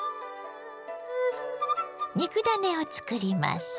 肉ダネを作ります。